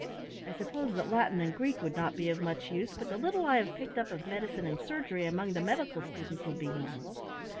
I suppose that Latin and Greek would not be of much use, but the little I have picked up of medicine and surgery among the medical students would be useful.